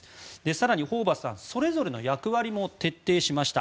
更にホーバスさんそれぞれの役割も徹底しました。